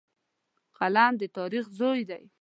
قلم د تاریخ زوی دی